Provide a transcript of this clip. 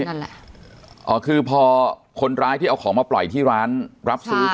นั่นแหละอ๋อคือพอคนร้ายที่เอาของมาปล่อยที่ร้านรับซื้อ